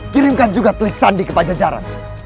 kirimkan juga klik sandi ke pajajaran